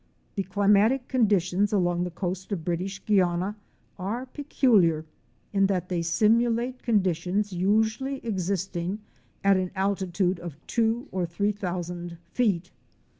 The climatic conditions along the coast of British Guiana are peculiar, in that they simulate conditions usually existing at an altitude of two or three thousand feet.